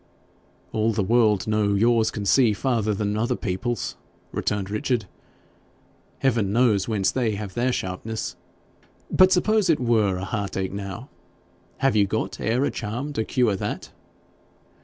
'All the world knows yours can see farther than other people's,' returned Richard. 'Heaven knows whence they have their sharpness. But suppose it were a heartache now, have you got e'er a charm to cure that?'